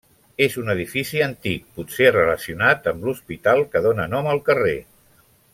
És un edifici antic, potser relacionat amb l'Hospital que dóna nom al carrer.